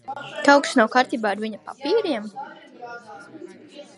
Kaut kas nav kārtībā ar viņa papīriem?